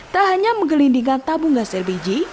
tak hanya menggelindingkan tabung gas lpg